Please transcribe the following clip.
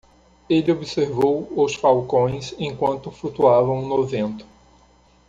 Ele observou os falcões enquanto flutuavam no vento.